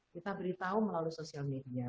kita beritahu melalui sosial media